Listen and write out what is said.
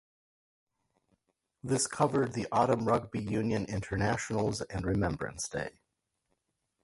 This covered the Autumn Rugby Union Internationals and Remembrance Day.